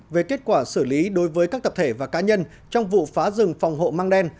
về kết quả xử lý đối với các tập thể và cá nhân trong vụ phá rừng phòng hộ mang đen